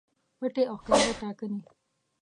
پټې او ښکاره ټاکنې